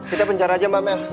kita pencar aja mbak mel